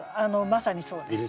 まさにそうです。